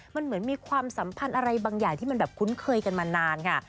มันเหมือนมีความสัมพันธ์อะไรบางอย่างที่มันแบบคุ้นเคยกันมานานค่ะ